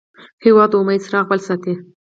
هېواد د امید څراغ بل ساتي.